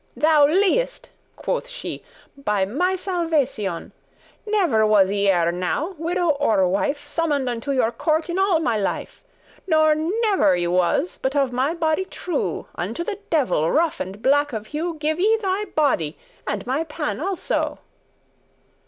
"Thou liest," quoth she, "by my salvation; Never was I ere now, widow or wife, Summon'd unto your court in all my life; Nor never I was but of my body true. Unto the devil rough and black of hue Give I thy body and my pan also."